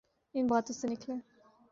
ان باتوں سے نکلیں۔